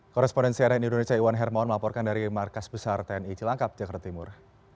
korespondensi rn indonesia iwan hermawan melaporkan dari markas besar tni cilangkap jakarta timur